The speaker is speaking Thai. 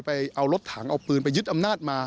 เอารถถังเอาปืนไปยึดอำนาจมา